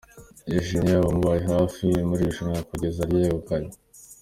Yashimiye abamubaye hafi muri iri rushanwa kugeza aryegukanye.